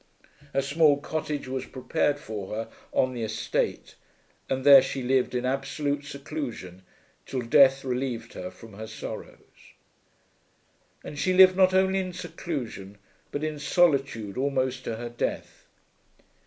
A small cottage was prepared for her on the estate, and there she lived in absolute seclusion till death relieved her from her sorrows. And she lived not only in seclusion, but in solitude almost to her death.